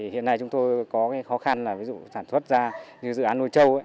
hiện nay chúng tôi có cái khó khăn là ví dụ sản xuất ra như dự án nuôi trâu